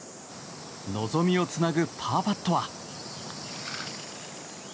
望みをつなぐパーパットは。